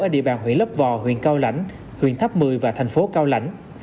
ở địa bàn huyện lấp vò huyện cao lãnh huyện tháp mười và thành phố cao lãnh